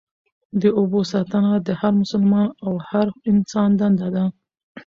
د اوبو ساتنه د هر مسلمان او هر انسان دنده ده.